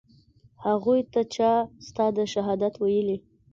هغوى ته چا ستا د شهادت ويلي.